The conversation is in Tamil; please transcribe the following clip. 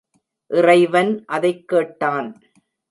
இறைவன் அதைக் கேட்டான்.